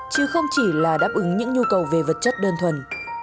chứ không chỉ là đáp ứng những nhu cầu về vật chất đơn thuần